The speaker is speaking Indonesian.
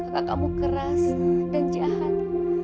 kakakmu keras dan jahat